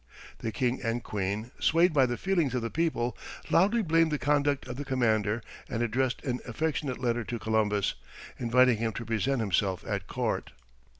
The king and queen, swayed by the feelings of the people, loudly blamed the conduct of the commander, and addressed an affectionate letter to Columbus, inviting him to present himself at court.